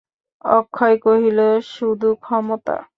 অক্ষয় কহিল, শুধু ক্ষমতা!